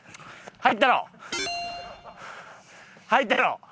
入ったやろ？